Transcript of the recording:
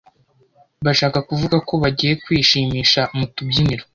bashaka kuvuga ko bagiye kwishimisha mu tubyiniro